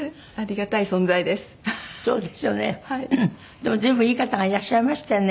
でも随分いい方がいらっしゃいましたよね。